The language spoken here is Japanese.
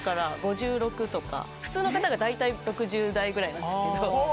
普通の方が大体６０台ぐらいなんですけど。